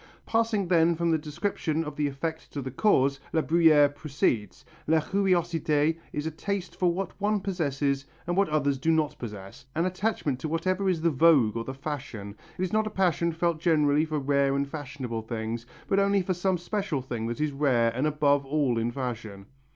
Passing then from the description of the effect to the cause, La Bruyère proceeds: "La curiosité is a taste for what one possesses and what others do not possess, an attachment to whatever is the vogue or the fashion; it is not a passion felt generally for rare and fashionable things, but only for some special thing that is rare and above all in fashion."